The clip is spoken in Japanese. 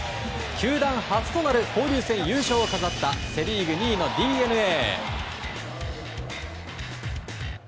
球団初となる交流戦優勝を飾ったセ・リーグ２位のＤｅＮＡ。